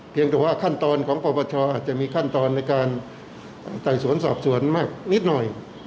เพียงแต่ว่าขั้นตอนของประวัติศาสตร์อาจจะมีขั้นตอนในการแต่สวนสอบสวนมากนิดหน่อย